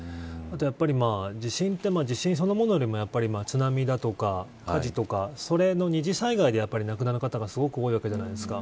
あとやっぱり地震って地震そのものよりも津波だとか、火事とかその二次災害で亡くなる方がすごく多いわけじゃないですか。